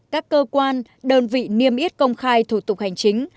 các cơ quan đơn vị niêm yết công khai thủ tục hành chính